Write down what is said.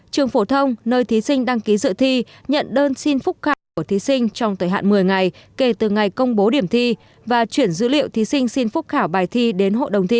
trường phổ thông nơi thí sinh đăng ký dự thi nhận đơn xin phúc khảo của thí sinh trong thời hạn một mươi ngày kể từ ngày công bố điểm thi và chuyển dữ liệu thí sinh xin phúc khảo bài thi đến hội đồng thi